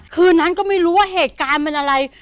คืนนั้นก็ไม่รู้ว่าเหตุการณ์เป็นอะไร